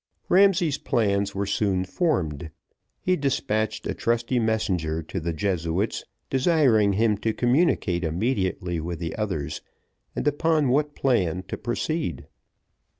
Ramsay's plans were soon formed, he despatched a trusty messenger to the Jesuit's, desiring him to communicate immediately with the others, and upon what plan to proceed.